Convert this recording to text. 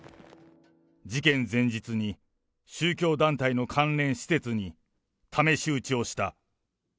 事件前日に、宗教団体の関連施設に試し撃ちをした。